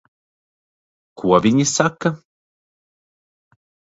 Ko viņi saka?